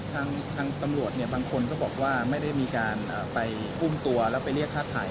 ทางตำรวจบางคนก็บอกว่าไม่ได้มีการไปอุ้มตัวแล้วไปเรียกค่าถ่าย